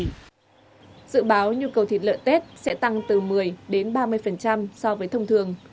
dự báo nhu cầu thịt lợn tết sẽ tăng từ một mươi đến ba mươi so với thông thường